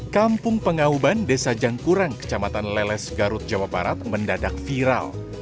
kampung pengauban desa jangkurang kecamatan leles garut jawa barat mendadak viral